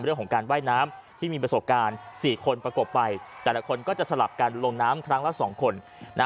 เรื่องของการว่ายน้ำที่มีประสบการณ์๔คนประกบไปแต่ละคนก็จะสลับกันลงน้ำครั้งละ๒คนนะ